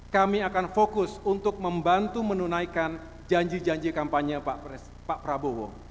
kami akan fokus untuk membantu menunaikan janji janji kampanye pak prabowo